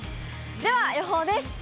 では、予報です。